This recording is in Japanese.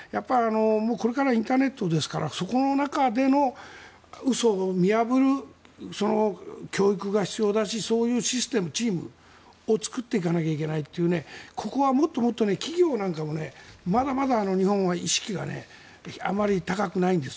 これからはインターネットですからそこの中での嘘を見破るその教育が必要だしそういうシステム、チームを作っていかなきゃいけないというここはもっと企業なんかもまだまだ日本は意識があまり高くないんです。